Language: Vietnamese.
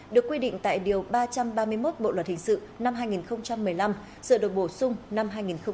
được quy định tại điều ba trăm ba mươi một bộ luật hình sự năm hai nghìn một mươi năm sửa đổi bổ sung năm hai nghìn một mươi bảy